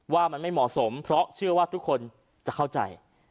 ว่ามันไม่เหมาะสมเพราะเชื่อว่าทุกคนจะเข้าใจ